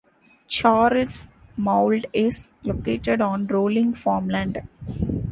Charles Mound is located on rolling farmland.